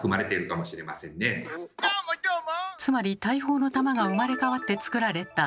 「つまり大砲の弾が生まれ変わってつくられた」。